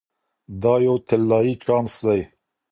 دا یو طلایی چانس دی.